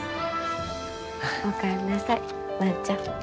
お帰りなさい万ちゃん。